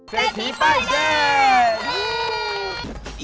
เศรษฐีป้ายแดง